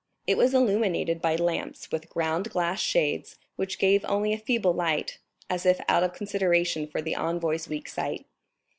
It was illuminated by lamps with ground glass shades which gave only a feeble light, as if out of consideration for the envoy's weak sight.